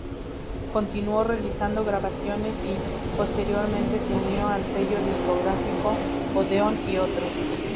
Continuó realizando grabaciones y, posteriormente, se unió al sello discográfico Odeón y otros.